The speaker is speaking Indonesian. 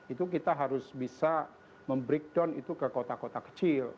itu kita harus bisa membreakdown itu ke kota kota kecil